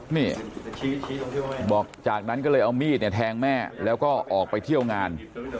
นี่บอกจากนั้นก็เลยเอามีดเนี่ยแทงแม่แล้วก็ออกไปเที่ยวงาน